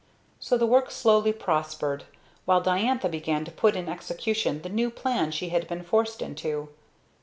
So the work slowly prospered, while Diantha began to put in execution the new plan she had been forced into.